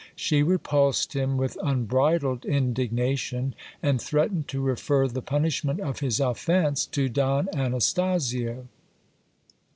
She repulsed him with unbridled indignation, and threat ened to refer the punishment of his offence to Don Anastasio.